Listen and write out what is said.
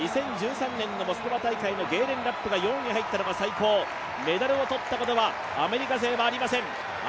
２０１３年のモスクワ大会のゲーレン・ラップが４位に入ったのが最高、メダルを取ったことは、アメリカ勢はありません。